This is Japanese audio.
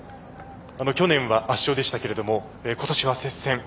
去年は圧勝でしたが今年は接戦。